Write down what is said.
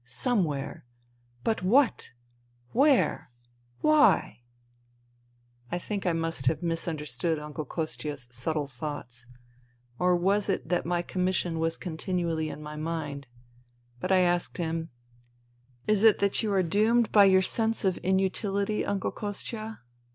Some where. But what ? Where ? Why ?" I think I must have misunderstood Uncle Kostia' s subtle thoughts. Or was it that my commission was continually in my mind ? But I asked him : "Is it that you are doomed by your sense of nutihty, Uncle Kostia